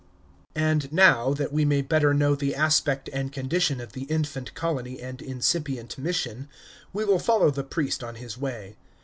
And now, that we may better know the aspect and condition of the infant colony and incipient mission, we will follow the priest on his way.